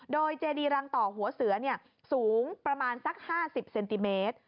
โดยเจดีรังต่อหัวเสือสูงประมาณสัก๕๐เซนติเมตร